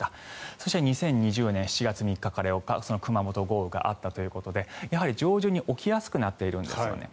そして２０２０年７月３日から４日に熊本豪雨があったということで上旬に起きやすくなっているんですよね。